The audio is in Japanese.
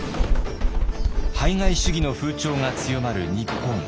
排外主義の風潮が強まる日本。